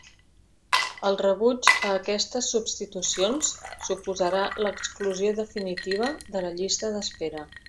El rebuig a aquestes substitucions suposarà l'exclusió definitiva de la llista d'espera.